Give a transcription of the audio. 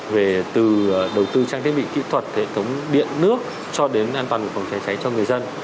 về từ đầu tư trang thiết bị kỹ thuật hệ thống điện nước cho đến an toàn phòng cháy cháy cho người dân